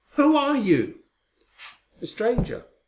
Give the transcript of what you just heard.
Who are you?" "A stranger.